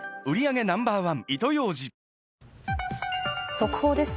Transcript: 速報です。